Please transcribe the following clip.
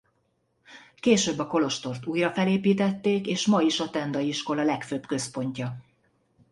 Később a kolostort újra felépítették és ma is a tendai iskola legfőbb központja.